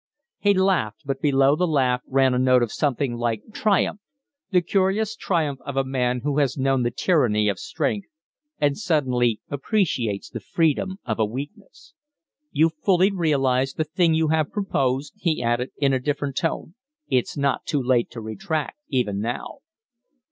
He laughed, but below the laugh ran a note of something like triumph the curious triumph of a man who has known the tyranny of strength and suddenly appreciates the freedom of a weakness. "You fully realize the thing you have proposed?" he added, in a different tone. "It's not too late to retract, even now."